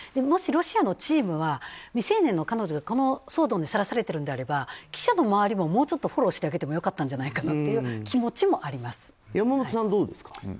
もしロシアのチームは未成年の彼女がこの騒動にさらされているのであれば記者の周りも、もうちょっとフォローしてあげればよかったんじゃないかなという気持ちもあります。